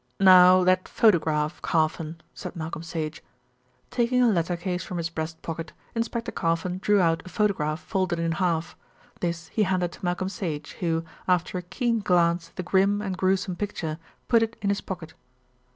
"Now that photograph, Carfon," said Malcolm Sage. Taking a letter case from his breast pocket, Inspector Carfon drew out a photograph folded in half. This he handed to Malcolm Sage, who, after a keen glance at the grim and gruesome picture, put it in his pocket.